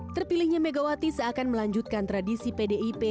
terpilihnya megawati seakan melanjutkan tradisi pdip